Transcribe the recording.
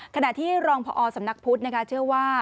ขณะที่รองพอสำนักพุทธเชื่อว่า